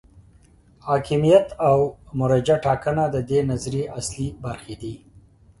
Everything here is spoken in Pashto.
حاکمیت او مرجع ټاکنه د دې نظریې اصلي برخې دي.